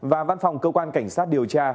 và văn phòng cơ quan cảnh sát điều tra